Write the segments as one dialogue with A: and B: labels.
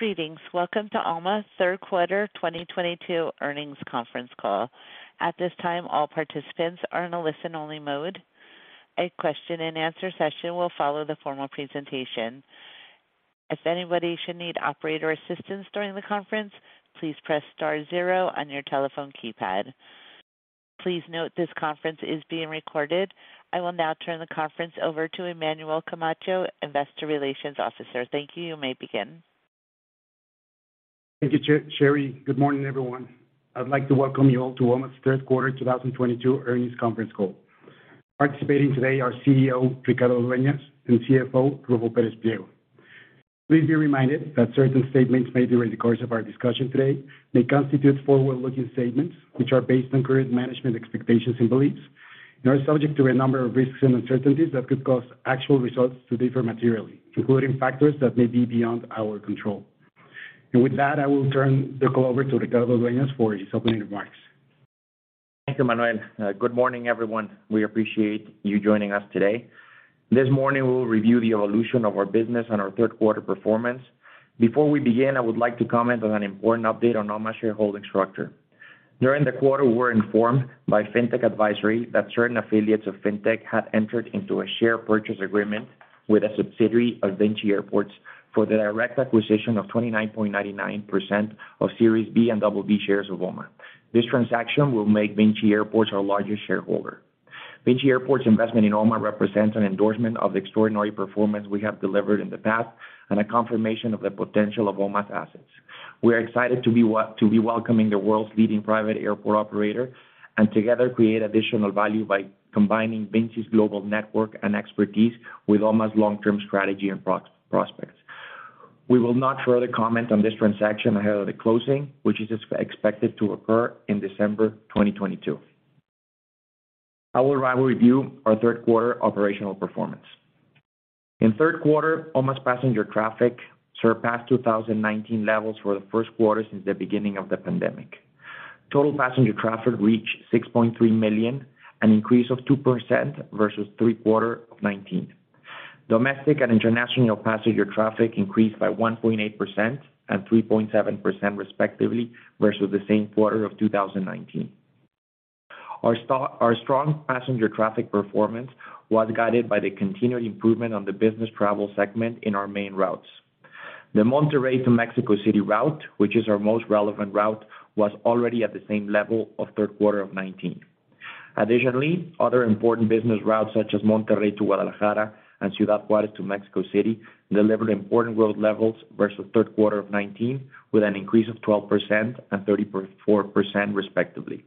A: Greetings. Welcome to OMA's Q3 2022 earnings conference call. At this time, all participants are in a listen-only mode. A question-and-answer session will follow the formal presentation. If anybody should need operator assistance during the conference, please press star zero on your telephone keypad. Please note this conference is being recorded. I will now turn the conference over to Emmanuel Camacho, Investor Relations Officer. Thank you. You may begin.
B: Thank you, Sherry. Good morning, everyone. I'd like to welcome you all to OMA's Q3 2022 earnings conference call. Participating today are CEO Ricardo Dueñas and CFO Ruffo Pérez Pliego. Please be reminded that certain statements made during the course of our discussion today may constitute forward-looking statements which are based on current management expectations and beliefs and are subject to a number of risks and uncertainties that could cause actual results to differ materially, including factors that may be beyond our control. With that, I will turn the call over to Ricardo Dueñas for his opening remarks.
C: Thank you, Manuel. Good morning, everyone. We appreciate you joining us today. This morning, we will review the evolution of our business and our Q3 performance. Before we begin, I would like to comment on an important update on OMA shareholding structure. During the quarter, we were informed by Fintech Advisory that certain affiliates of Fintech had entered into a share purchase agreement with a subsidiary of VINCI Airports for the direct acquisition of 29.99% of Series B and BB shares of OMA. This transaction will make VINCI Airports our largest shareholder. VINCI Airports investment in OMA represents an endorsement of the extraordinary performance we have delivered in the past and a confirmation of the potential of OMA's assets. We are excited to be welcoming the world's leading private airport operator, and together create additional value by combining VINCI's global network and expertise with OMA's long-term strategy and prospects. We will not further comment on this transaction ahead of the closing, which is expected to occur in December 2022. I will now review our Q3 operational performance. In Q3, OMA's passenger traffic surpassed 2019 levels for the Q1 since the beginning of the pandemic. Total passenger traffic reached 6.3 million, an increase of 2% versus Q3 of 2019. Domestic and international passenger traffic increased by 1.8% and 3.7% respectively versus the same quarter of 2019. Our strong passenger traffic performance was guided by the continued improvement on the business travel segment in our main routes. The Monterrey to Mexico City route, which is our most relevant route, was already at the same level of Q3 of 2019. Additionally, other important business routes such as Monterrey to Guadalajara and Ciudad Juárez to Mexico City, delivered important growth levels versus Q3 of 2019, with an increase of 12% and 34% respectively.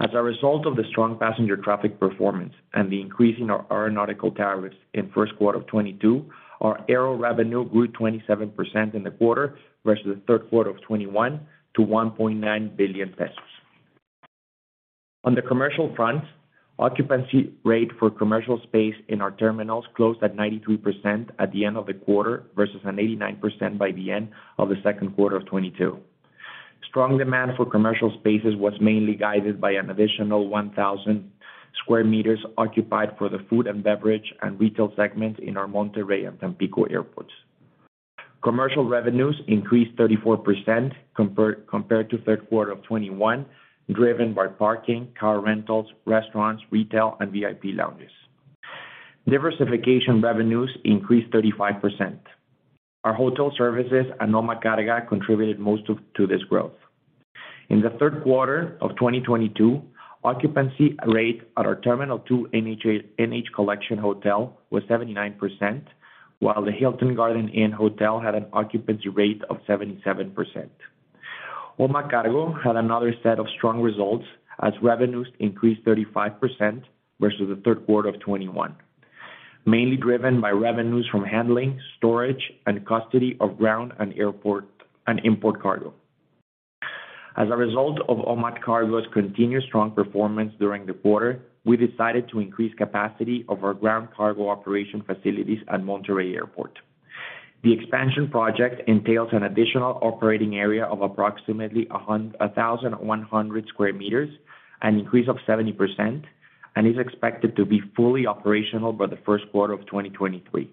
C: As a result of the strong passenger traffic performance and the increase in our aeronautical tariffs in Q1 of 2022, our aero revenue grew 27% in the quarter versus the Q3 of 2021 to 1.9 billion pesos. On the commercial front, occupancy rate for commercial space in our terminals closed at 93% at the end of the quarter versus an 89% by the end of the Q2 of 2022. Strong demand for commercial spaces was mainly guided by an additional 1,000 square meters occupied for the food and beverage and retail segment in our Monterrey and Tampico airports. Commercial revenues increased 34% compared to Q3 of 2021, driven by parking, car rentals, restaurants, retail, and VIP lounges. Diversification revenues increased 35%. Our hotel services and OMA Carga contributed most to this growth. In the Q3 of 2022, occupancy rate at our Terminal 2 NH Collection hotel was 79%, while the Hilton Garden Inn hotel had an occupancy rate of 77%. OMA Carga had another set of strong results as revenues increased 35% versus the Q3 of 2021, mainly driven by revenues from handling, storage, and custody of ground, airport, and import cargo. As a result of OMA Cargo's continued strong performance during the quarter, we decided to increase capacity of our ground cargo operation facilities at Monterrey Airport. The expansion project entails an additional operating area of approximately 1,100 square meters, an increase of 70%, and is expected to be fully operational by the Q1 of 2023.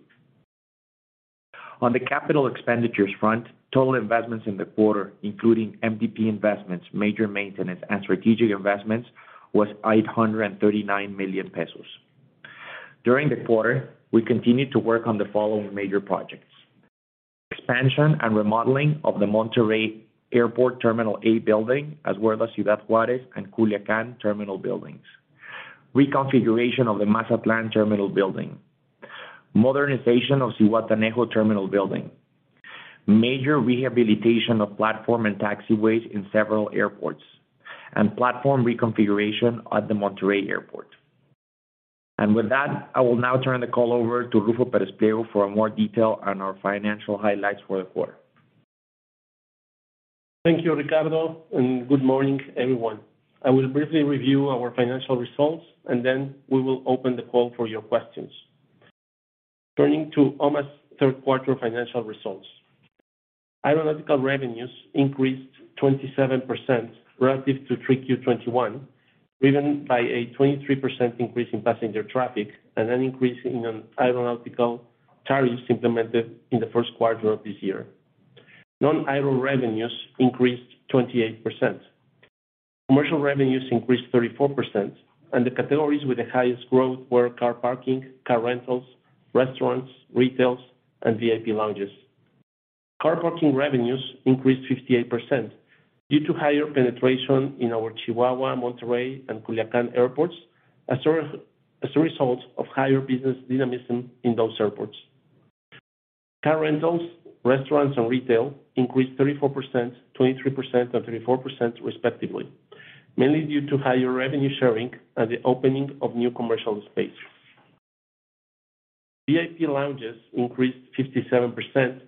C: On the capital expenditures front, total investments in the quarter, including MDP investments, major maintenance, and strategic investments, was 839 million pesos. During the quarter, we continued to work on the following major projects. Expansion and remodeling of the Monterrey Airport Terminal A building, as well as the Ciudad Juárez and Culiacán terminal buildings. Reconfiguration of the Mazatlán terminal building. Modernization of the Zihuatanejo terminal building. Major rehabilitation of platform and taxiways in several airports. Platform reconfiguration at the Monterrey Airport. With that, I will now turn the call over to Ruffo Pérez Pliego for more detail on our financial highlights for the quarter.
D: Thank you, Ricardo, and good morning, everyone. I will briefly review our financial results, and then we will open the call for your questions. Turning to OMA's Q3 financial results. Aeronautical revenues increased 27% relative to 3Q 2021. Driven by a 23% increase in passenger traffic and an increase in aeronautical tariffs implemented in the Q1 of this year. Non-aero revenues increased 28%. Commercial revenues increased 34%, and the categories with the highest growth were car parking, car rentals, restaurants, retail, and OMA Premium Lounges. Car parking revenues increased 58% due to higher penetration in our Chihuahua, Monterrey, and Culiacán airports, as a result of higher business dynamism in those airports. Car rentals, restaurants, and retail increased 34%, 23%, and 34% respectively, mainly due to higher revenue sharing and the opening of new commercial space. OMA Premium Lounges increased 57%,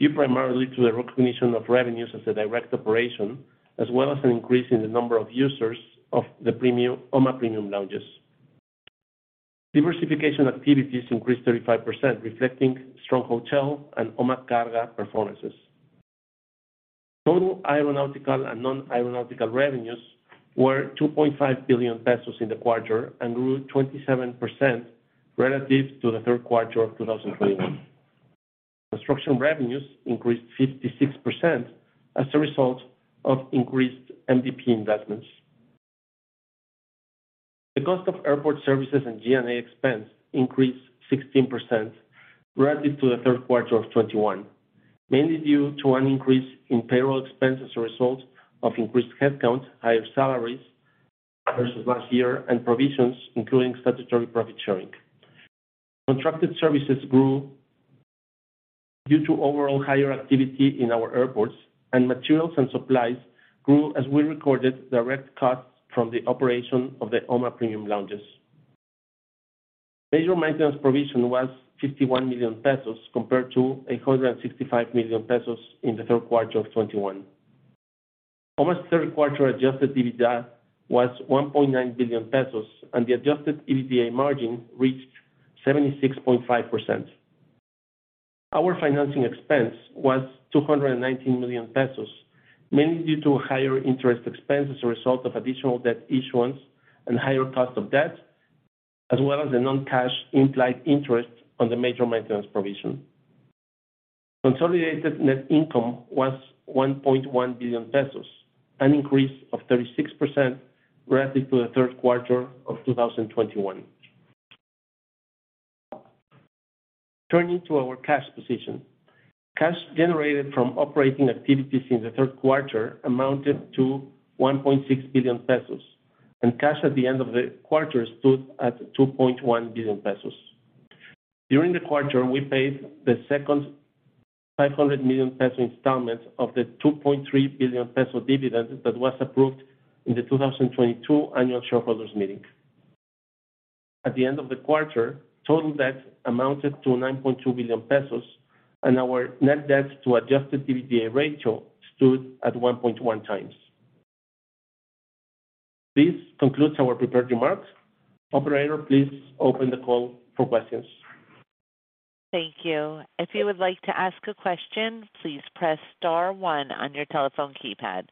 D: due primarily to the recognition of revenues as a direct operation, as well as an increase in the number of users of the OMA Premium Lounges. Diversification activities increased 35%, reflecting strong hotel and OMA Carga performances. Total aeronautical and non-aeronautical revenues were 2.5 billion pesos in the quarter, and grew 27% relative to the Q3 of 2021. Construction revenues increased 56% as a result of increased MDP investments. The cost of airport services and G&A expense increased 16% relative to the Q3 of 2021, mainly due to an increase in payroll expense as a result of increased headcount, higher salaries versus last year, and provisions, including statutory profit sharing. Contracted services grew due to overall higher activity in our airports, and materials and supplies grew as we recorded direct costs from the operation of the OMA Premium Lounges. Major maintenance provision was 51 million pesos compared to 165 million pesos in the Q3 of 2021. OMA's Q3 adjusted EBITDA was 1.9 billion pesos, and the adjusted EBITDA margin reached 76.5%. Our financing expense was 219 million pesos, mainly due to higher interest expense as a result of additional debt issuance and higher cost of debt, as well as the non-cash implied interest on the major maintenance provision. Consolidated net income was 1.1 billion pesos, an increase of 36% relative to the Q3 of 2021. Turning to our cash position. Cash generated from operating activities in the Q3 amounted to 1.6 billion pesos, and cash at the end of the quarter stood at 2.1 billion pesos. During the quarter, we paid the second 500 million peso installments of the 2.3 billion peso dividend that was approved in the 2022 annual shareholders meeting. At the end of the quarter, total debt amounted to 9.2 billion pesos, and our net debt to adjusted EBITDA ratio stood at 1.1 times. This concludes our prepared remarks. Operator, please open the call for questions.
A: Thank you. If you would like to ask a question, please press star one on your telephone keypad.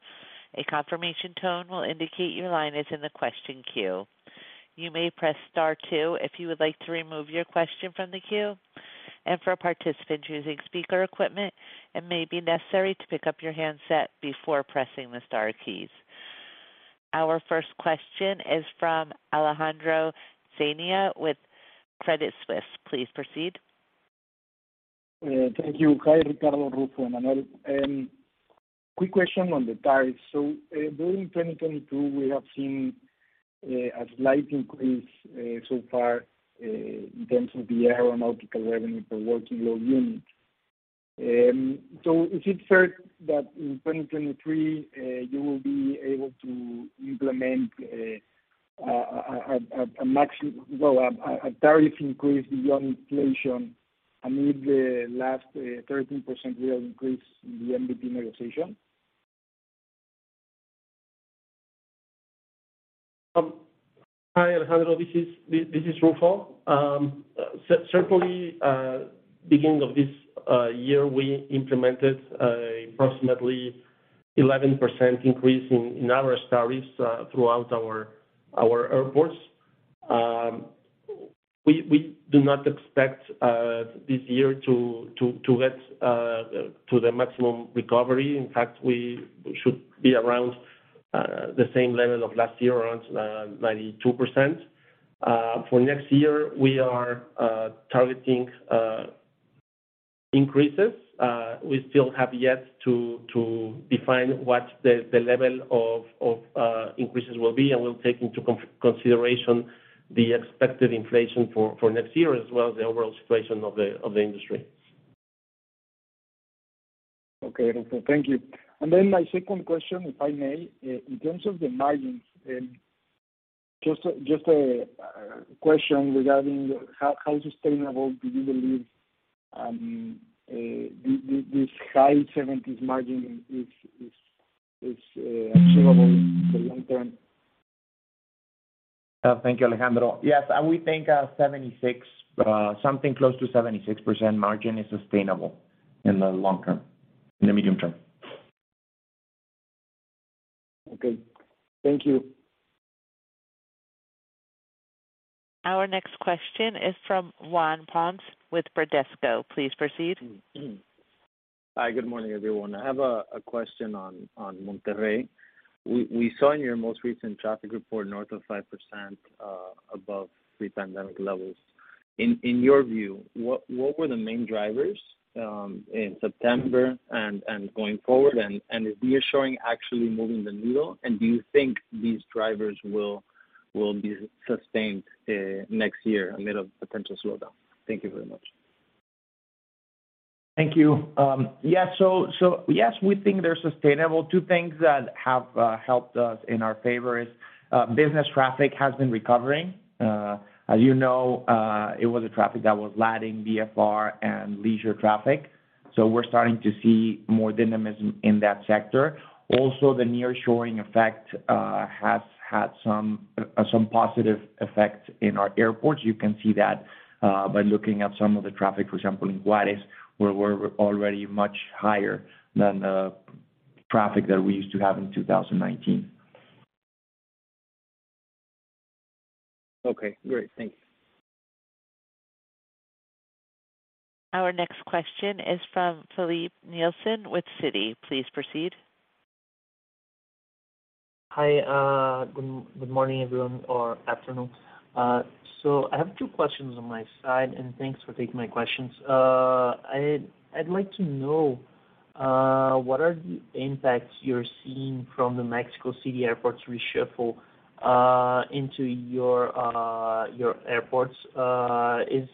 A: A confirmation tone will indicate your line is in the question queue. You may press star two if you would like to remove your question from the queue. For a participant using speaker equipment, it may be necessary to pick up your handset before pressing the star keys. Our first question is from Alejandro Zamudio with Credit Suisse. Please proceed.
E: Thank you. Hi, Ricardo, Ruffo, and Manuel. Quick question on the tariffs. During 2022 we have seen a slight increase so far in terms of the aeronautical revenue per working load unit. Is it fair that in 2023 you will be able to implement a tariff increase beyond inflation amid the last 13% real increase in the MDP negotiation?
D: Hi, Alejandro. This is Ruffo. Certainly, beginning of this year, we implemented approximately 11% increase in our tariffs throughout our airports. We do not expect this year to get to the maximum recovery. In fact, we should be around the same level of last year, around 92%. For next year, we are targeting increases. We still have yet to define what the level of increases will be, and we'll take into consideration the expected inflation for next year as well as the overall situation of the industry.
E: Okay. Ruffo, thank you. My second question, if I may, in terms of the margins, just a question regarding how sustainable do you believe this high 70s% margin is achievable for long term?
C: Thank you, Alejandro. Yes, we think 76, something close to 76% margin is sustainable in the long term, in the medium term.
E: Okay. Thank you.
A: Our next question is from Juan Ponce with Bradesco. Please proceed.
F: Hi. Good morning, everyone. I have a question on Monterrey. We saw in your most recent traffic report north of 5% above pre-pandemic levels. In your view, what were the main drivers in September and going forward? Is nearshoring actually moving the needle? Do you think these drivers will be sustained next year amid a potential slowdown? Thank you very much.
C: Thank you. Yeah. Yes, we think they're sustainable. Two things that have helped us in our favor is business traffic has been recovering. As you know, it was the traffic that was lagging VFR and leisure traffic. We're starting to see more dynamism in that sector. Also, the nearshoring effect has had some positive effects in our airports. You can see that by looking at some of the traffic, for example, in Juarez, where we're already much higher than the traffic that we used to have in 2019.
F: Okay, great. Thank you.
A: Our next question is from Filipe Nielsen with Citi. Please proceed.
G: Hi. Good morning, everyone, or afternoon. So I have two questions on my side, and thanks for taking my questions. I'd like to know what are the impacts you're seeing from the Mexico City airports reshuffle into your airports? Is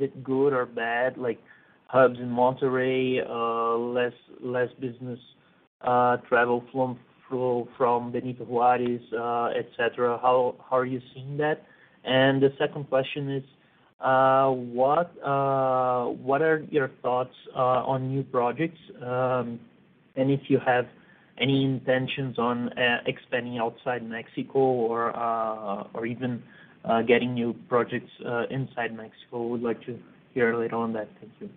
G: it good or bad? Like hubs in Monterrey, less business travel flow from Benito Juárez, et cetera. How are you seeing that? The second question is what are your thoughts on new projects? If you have any intentions on expanding outside Mexico or even getting new projects inside Mexico. Would like to hear a little on that. Thank you.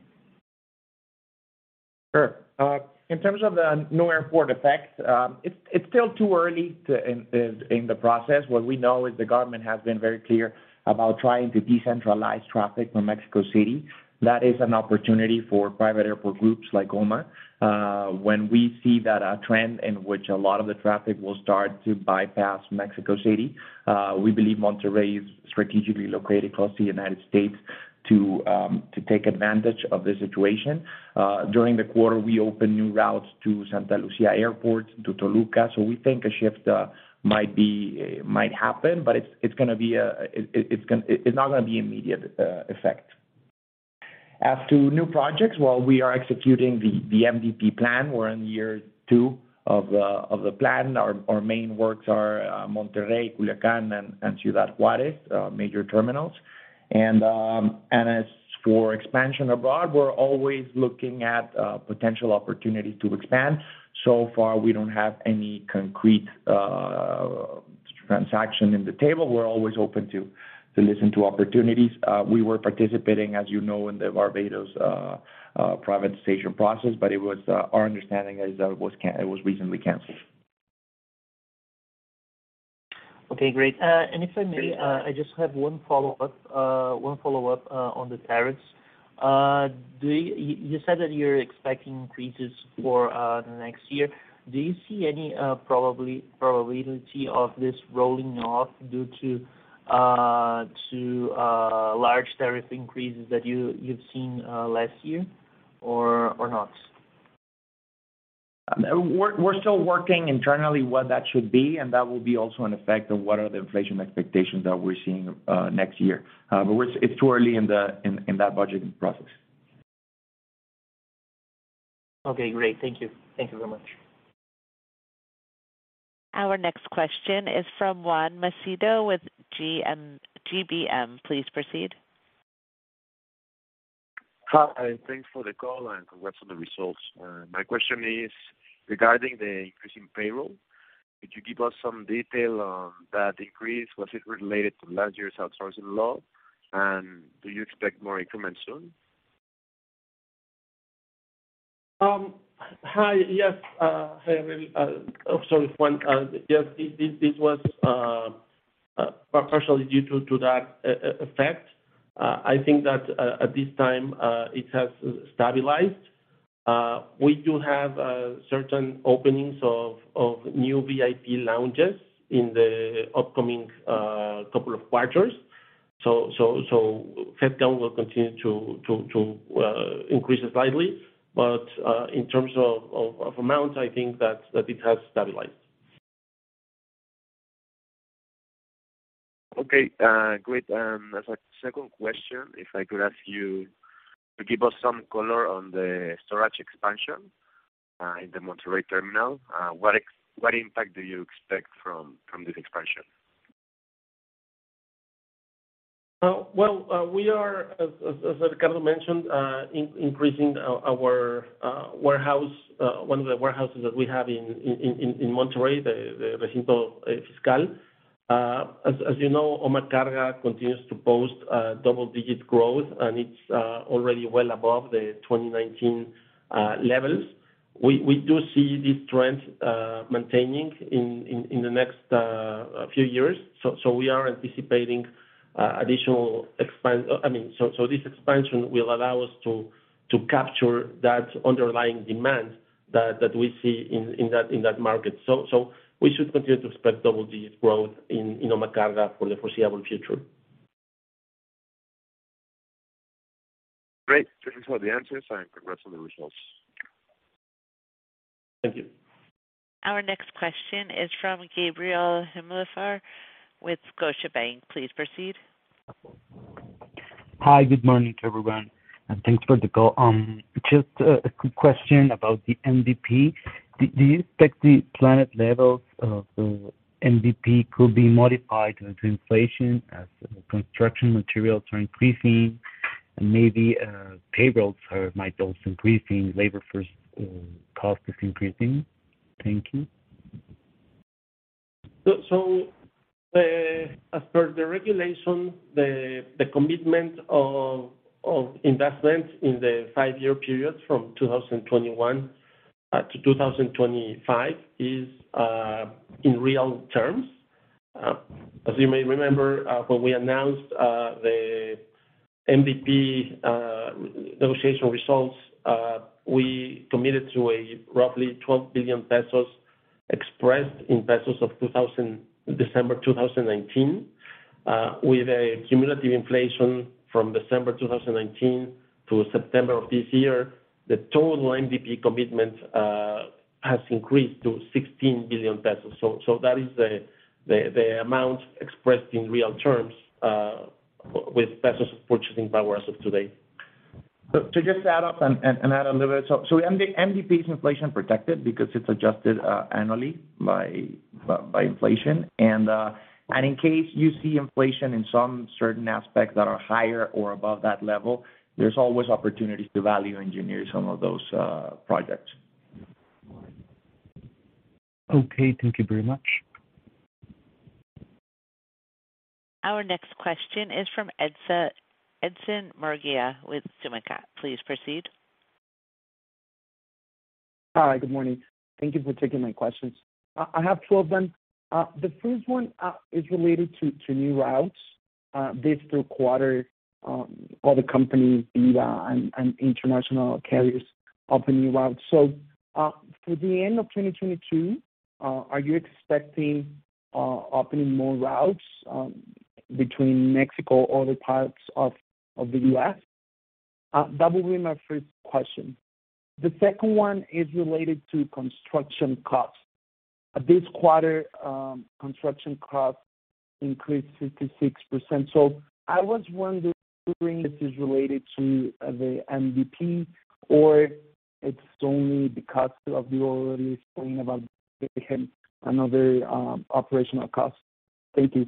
C: Sure. In terms of the new airport effect, it's still too early in the process. What we know is the government has been very clear about trying to decentralize traffic from Mexico City. That is an opportunity for private airport groups like OMA. When we see that trend in which a lot of the traffic will start to bypass Mexico City, we believe Monterrey is strategically located across the United States to take advantage of the situation. During the quarter, we opened new routes to Santa Lucía Airport, to Toluca. We think a shift might happen, but it's not going to be immediate effect. As to new projects, well, we are executing the MDP plan. We're in year two of the plan. Our main works are Monterrey, Culiacán, and Ciudad Juárez major terminals. As for expansion abroad, we're always looking at potential opportunity to expand. So far we don't have any concrete transaction in the table. We're always open to listen to opportunities. We were participating, as you know, in the Barbados privatization process, but our understanding is that it was recently canceled.
G: Okay, great. If I may, I just have one follow-up on the tariffs. You said that you're expecting increases for the next year. Do you see any probability of this rolling off due to large tariff increases that you've seen last year or not?
C: We're still working internally what that should be, and that will be also an effect of what are the inflation expectations that we're seeing next year. It's too early in that budgeting process.
G: Okay, great. Thank you. Thank you very much.
A: Our next question is from Juan Macedo with GBM. Please proceed.
H: Hi. Thanks for the call and congrats on the results. My question is regarding the increasing payroll. Could you give us some detail on that increase? Was it related to last year's outsourcing law, and do you expect more increments soon?
D: Hi. Yes.
G: Hey.
D: Oh, sorry, Juan. Yes, this was partially due to that effect. I think that at this time, it has stabilized. We do have certain openings of new VIP lounges in the upcoming couple of quarters. Headcount will continue to increase slightly. In terms of amounts, I think that it has stabilized.
H: Okay, great. As a second question, if I could ask you to give us some color on the storage expansion in the Monterrey terminal. What impact do you expect from this expansion?
D: We are, as Ricardo mentioned, increasing our warehouse, one of the warehouses that we have in Monterrey, the Recinto Fiscal. As you know, OMA Carga continues to post double-digit growth, and it's already well above the 2019 levels. We do see this trend maintaining in the next few years. I mean, this expansion will allow us to capture that underlying demand that we see in that market. We should continue to expect double-digit growth in OMA Carga for the foreseeable future.
H: Great. Those are the answers, and congrats on the results. Thank you.
A: Our next question is from Gabriel Himmelfarb with Scotiabank. Please proceed.
I: Hi, good morning to everyone, and thanks for the call. Just a quick question about the MDP. Do you expect the planned levels of the MDP could be modified due to inflation as construction materials are increasing and maybe payrolls might also increase as labor costs are increasing? Thank you.
D: As per the regulation, the commitment of investment in the five-year period from 2021 to 2025 is in real terms. As you may remember, when we announced the MDP negotiation results, we committed to a roughly 12 billion pesos expressed in pesos of December 2019. With a cumulative inflation from December 2019 to September of this year, the total MDP commitment has increased to 16 billion pesos. That is the amount expressed in real terms with pesos purchasing power as of today.
C: To just add a little bit. MDP is inflation protected because it's adjusted annually by inflation. In case you see inflation in some certain aspects that are higher or above that level, there's always opportunities to value engineer some of those projects.
I: Okay. Thank you very much.
A: Our next question is from Edson Murguía with SummaCap. Please proceed.
J: Hi. Good morning. Thank you for taking my questions. I have two of them. The first one is related to new routes. This Q3, all the companies, Viva and international carriers open new routes. For the end of 2022, are you expecting opening more routes between Mexico or other parts of the U.S.? That would be my first question. The second one is related to construction costs. This quarter, construction costs increased 56%. I was wondering if this is related to the MDP or it's only the cost of you already explained about another operational cost. Thank you.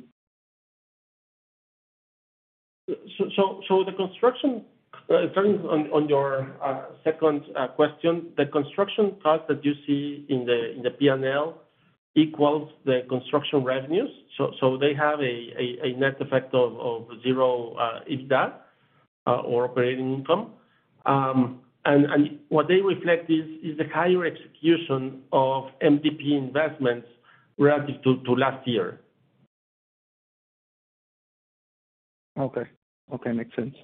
D: On your second question, the construction cost that you see in the P&L equals the construction revenues. They have a net effect of zero EBITDA or operating income. What they reflect is the higher execution of MDP investments relative to last year.
J: Okay. Okay, makes sense.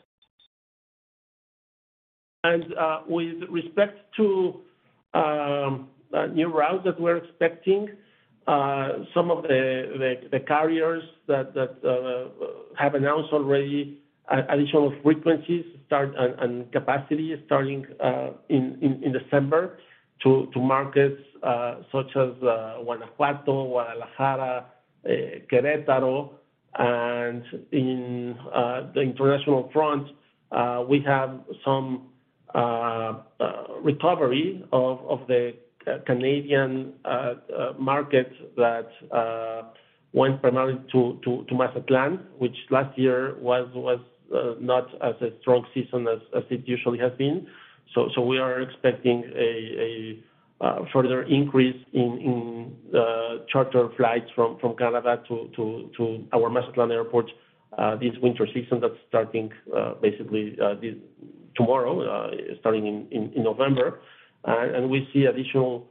D: With respect to new routes that we're expecting, some of the carriers that have announced already additional frequencies and capacity starting in December to markets such as Guanajuato, Guadalajara, Querétaro. In the international front, we have some recovery of the Canadian market that went primarily to Mazatlán, which last year was not as strong a season as it usually has been. We are expecting a further increase in charter flights from Canada to our Mazatlán Airport this winter season that's starting basically tomorrow starting in November. We see additional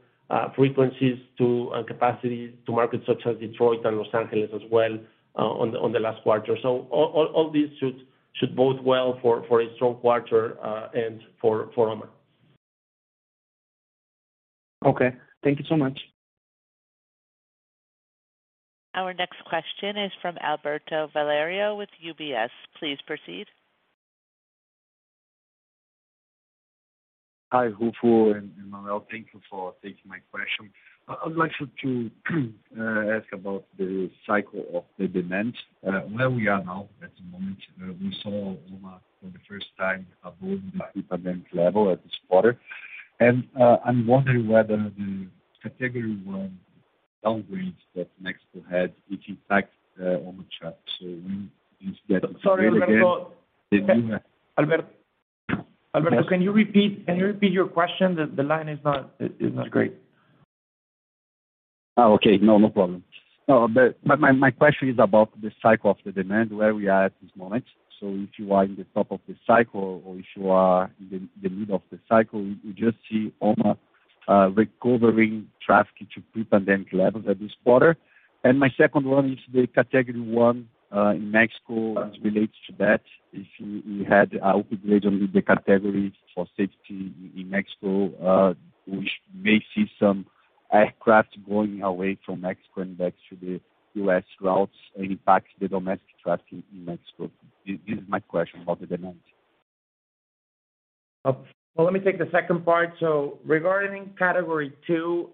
D: frequencies and capacity to markets such as Detroit and Los Angeles as well, on the last quarter. All these should bode well for a strong quarter and for OMA.
J: Okay. Thank you so much.
A: Our next question is from Alberto Valerio with UBS. Please proceed.
K: Hi, Ruffo and Emmanuel. Thank you for taking my question. I'd like to ask about the cycle of the demand, where we are now at the moment. We saw OMA for the first time above the pre-pandemic level at this quarter. I'm wondering whether the Category 1 next to head, if you type on the chat. When you get-
C: Sorry, Alberto.
K: Yes?
C: Alberto, can you repeat your question? The line is not great.
K: Oh, okay. No, no problem. No, but my question is about the cycle of the demand, where we are at this moment. If you are in the top of the cycle, or if you are in the middle of the cycle, we just see on a recovering traffic to pre-pandemic levels at this quarter. My second one is the Category one in Mexico as it relates to that. If you had upgraded with the categories for safety in Mexico, we may see some aircraft going away from Mexico and back to the U.S. routes and impact the domestic traffic in Mexico. This is my question about the demand.
C: Well, let me take the second part. Regarding category two,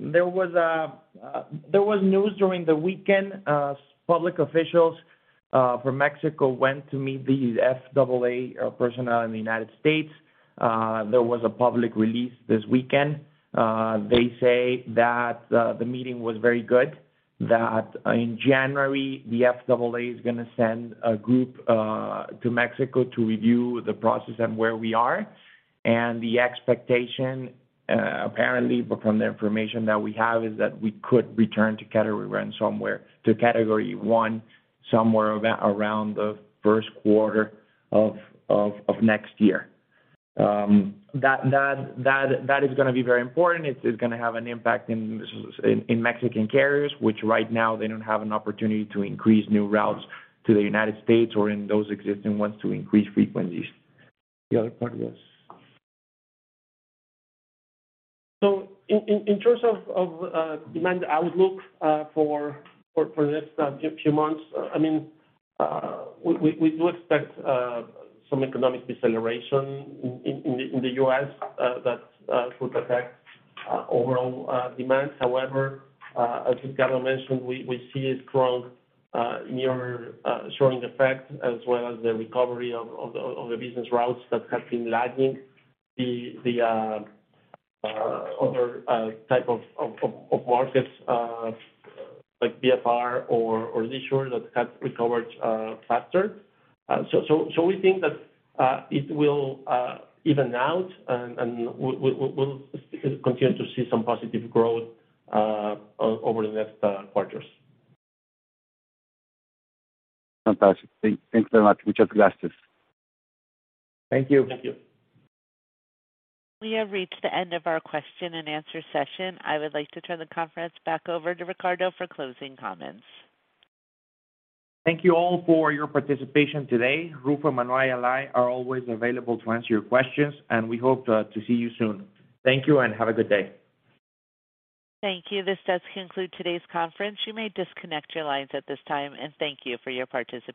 C: there was news during the weekend. Public officials from Mexico went to meet the FAA personnel in the United States. There was a public release this weekend. They say that the meeting was very good, that in January, the FAA is going to send a group to Mexico to review the process and where we are. And the expectation, apparently, but from the information that we have, is that we could return to Category one somewhere around the Q1 of next year. That is going to be very important. It's just gonna have an impact in Mexican carriers, which right now, they don't have an opportunity to increase new routes to the United States, or in those existing ones to increase frequencies.
K: The other part, yes.
D: In terms of demand outlook for the next few months, I mean, we do expect some economic deceleration in the US that could affect overall demand. However, as Ricardo mentioned, we see a strong nearshoring effect as well as the recovery of the business routes that have been lagging the other type of markets like VFR or leisure that have recovered faster. We think that it will even out and we'll continue to see some positive growth over the next quarters.
K: Fantastic. Thanks very much. Muchas gracias.
C: Thank you.
K: Thank you.
A: We have reached the end of our question and answer session. I would like to turn the conference back over to Ricardo for closing comments.
C: Thank you all for your participation today. Ruffo, Manuel, and I are always available to answer your questions, and we hope to see you soon. Thank you and have a good day.
A: Thank you. This does conclude today's conference. You may disconnect your lines at this time, and thank you for your participation.